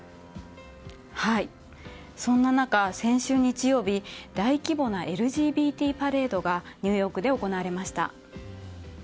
そんな中、先週日曜日大規模なＬＧＢＴパレードがニューヨークで行われました。